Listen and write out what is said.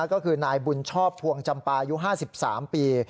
ก็คือนายบุญชอบภวงจำปายุ๕๓ปี